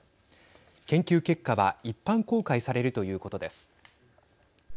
研究結果は一般公開されるということです。